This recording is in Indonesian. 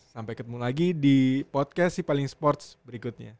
sampai ketemu lagi di podcast sipaling sports berikutnya